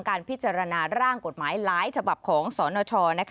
การพิจารณาร่างกฎหมายหลายฉบับของสนช